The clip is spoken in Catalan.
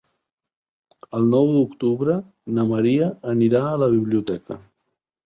El nou d'octubre na Maria anirà a la biblioteca.